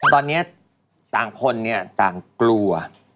ตอนนี้ต่างคนเนี่ยต่างกลัว